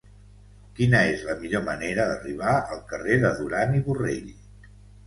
Quina és la millor manera d'arribar al carrer de Duran i Borrell?